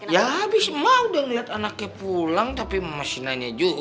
ya abis emang udah liat anaknya pulang tapi masih nanya juga